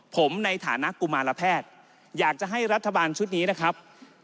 ผมในฐานะกุมารแพทย์อยากจะให้รัฐบาลชุดนี้นะครับ